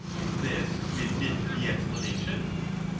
^*^ and this we admit to be explanation.